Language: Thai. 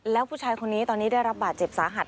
แล้วผู้ชายคนนี้ตอนนี้ได้รับบาดเจ็บสาหัส